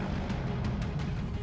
usai menangkap penyelidikan